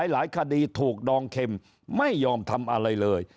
หลายคดีถูกดองเข็มไม่ยอมทำอะไรเลย